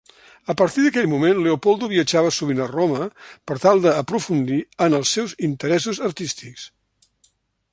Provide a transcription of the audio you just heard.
A partir d'aquell moment, Leopoldo viatjava sovint a Roma per tal d'aprofundir en els seus interessos artístics.